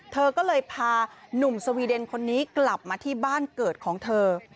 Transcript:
เธอก็เลยพาหนุ่มสวีเดนคนนี้กลับมาที่บ้านเกิดของเธอ